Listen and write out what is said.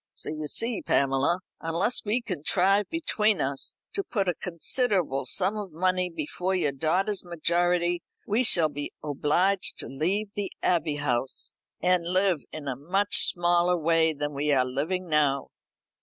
So you see, Pamela, unless we contrive between us to put by a considerable sum of money before your daughter's majority, we shall be obliged to leave the Abbey House, and live in a much smaller way than we are living now."